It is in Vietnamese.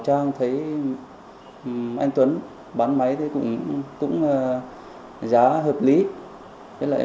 anh tuấn bán máy cũng giá hợp lý